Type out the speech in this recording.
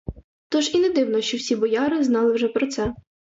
Тож і не диво, що всі бояри знали вже про це.